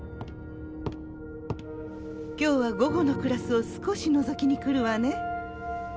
今日は午後のクラスを少しのぞきに来るわね。